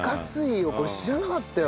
これ知らなかったよ。